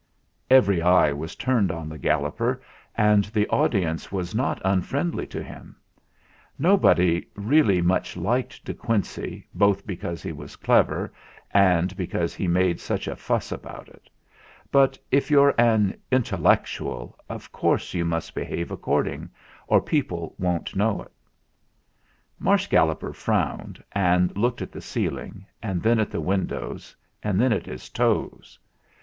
Every eye was turned on the Galloper, and the audience was not unfriendly to him. No body really much liked De Quincey both be cause he was clever, and because he made such a fuss about it. But if you're an "intellectual," of course you must behave according, or people won't know it. Marsh Galloper frowned and looked at the ceiling, and then at the windows, and then at his toes.